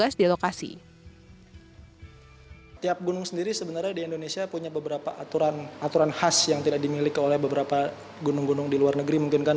pendaki pun harus mengantongi izin dan melapor ke panggung